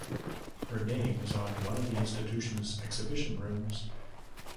Her name is on one of the institution's exhibition rooms.